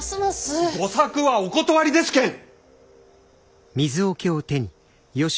吾作はお断りですけん！